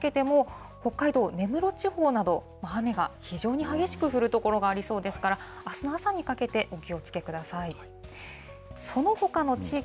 さらにあすの朝にかけても、北海道根室地方など、雨が非常に激しく降る所がありそうですから、あすの朝にかけてお気をつけください。